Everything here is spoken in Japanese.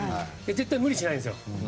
絶対に無理しないですよ。